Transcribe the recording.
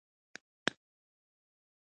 سندره د ژوندي زړه پیغام دی